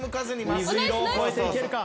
水色を越えていけるか？